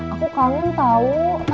aku kangen tau